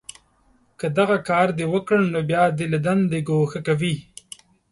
که دغه کار دې وکړ، نو بیا دې له دندې گوښه کوي